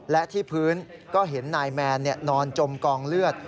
และที่พื้นก็เห็นนายแมนนอนจมกองเลือด